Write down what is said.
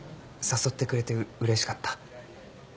誘ってくれてうれしかった。